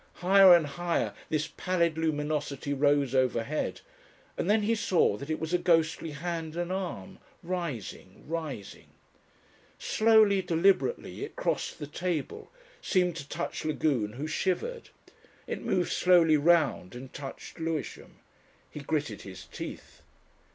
Higher and higher this pallid luminosity rose overhead, and then he saw that it was a ghostly hand and arm, rising, rising. Slowly, deliberately it crossed the table, seemed to touch Lagune, who shivered. It moved slowly round and touched Lewisham. He gritted his teeth.